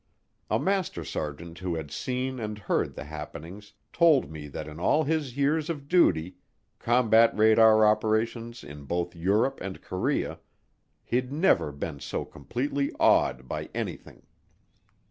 A master sergeant who had seen and heard the happenings told me that in all his years of duty combat radar operations in both Europe and Korea he'd never been so completely awed by anything.